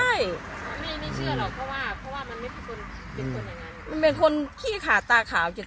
ไม่ไม่เชื่อหรอกเพราะว่ามันไม่เป็นคนอืมเป็นคนที่ขาดตาขาวจนตาย